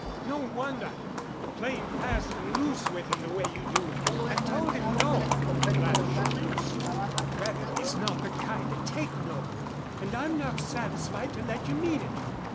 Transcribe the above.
No wonder, playing fast and loose with him the way you do." "I told him No!" flashed Lucy. "But Wetherby's not the kind to take no. And I'm not satisfied to let you mean it.